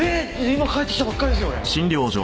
今帰って来たばっかりですよ俺。